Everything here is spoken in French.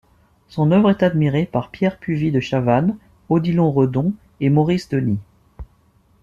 Son œuvre est admirée par Pierre Puvis de Chavannes, Odilon Redon et Maurice Denis.